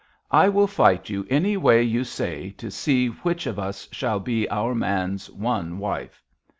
I will fight you any way you say to see which of us shall be our man's one wife!'